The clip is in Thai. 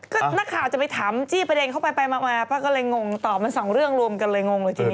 ก็นักข่าวจะไปถามจี้ประเด็นเข้าไปไปมาป้าก็เลยงงตอบมันสองเรื่องรวมกันเลยงงเลยทีนี้